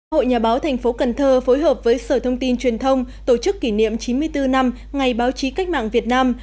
hội nhà báo tp cn phối hợp với sở thông tin truyền thông tổ chức kỷ niệm chín mươi bốn năm ngày báo chí cách mạng việt nam